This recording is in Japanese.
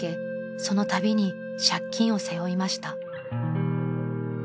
その度に借金を背負いました］